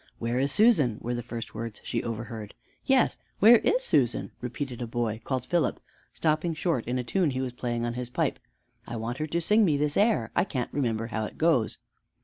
"Where is Susan?" were the first words she overheard. "Yes, where is Susan?" repeated a boy called Philip, stopping short in a tune he was playing on his pipe: "I want her to sing me this air, I can't remember how it goes."